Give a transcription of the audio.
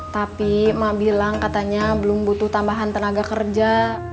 tapi emak bilang katanya belum butuh tambahan tenaga kerja